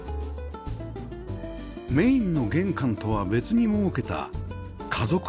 メインの玄関とは別に設けた家族用玄関